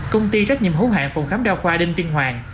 công ty trách nhiệm hữu hạng phòng khám đa khoa đinh tiên hoàng